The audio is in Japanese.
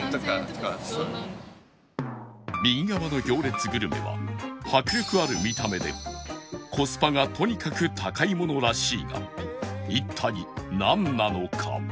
右側の行列グルメは迫力ある見た目でコスパがとにかく高いものらしいが一体なんなのか？